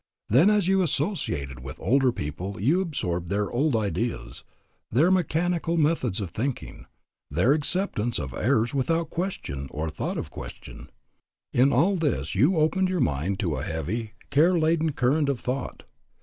Then as you associated with older people you absorbed their old ideas, their mechanical methods of thinking, their acceptance of errors without question or thought of question. In all this you opened your mind to a heavy, care laden current of thought.